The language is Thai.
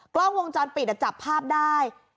กล้องวงจรปิดจับภาพได้